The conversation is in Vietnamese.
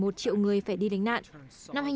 ba mươi một triệu người phải đi đánh nạn